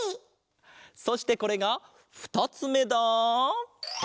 そしてこれがふたつめだ！